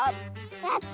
やった！